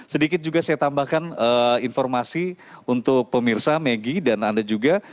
sedikit juga saya tambahkan informasi untuk pemirsa megi dan anda juga